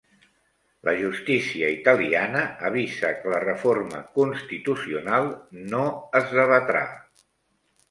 La justícia italiana avisa que la reforma constitucional no es debatrà